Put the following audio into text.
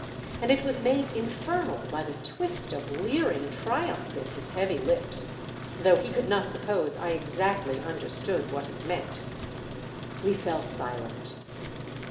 And it was made infernal by the twist of leering triumph in his heavy lips, though he could not suppose I exactly under stood what it meant. We fell silent.